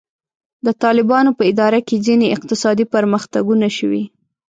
د طالبانو په اداره کې ځینې اقتصادي پرمختګونه شوي.